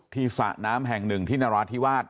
สระน้ำแห่งหนึ่งที่นราธิวาส